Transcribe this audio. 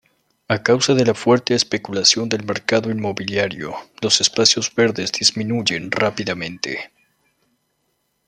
A causa de la fuerte especulación del mercado inmobiliario, los espacios verdes disminuyen rápidamente.